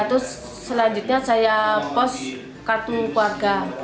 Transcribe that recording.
terus selanjutnya saya pos kartu keluarga